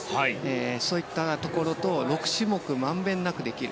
そういったところと６種目まんべんなくできる。